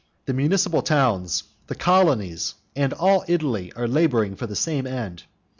The municipal towns, the colonies, and all Italy are labouring for the same end.